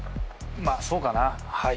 まあそうかなはい。